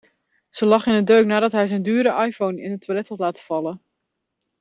Ze lag in een deuk nadat hij zijn dure iPhone in het toilet had laten vallen.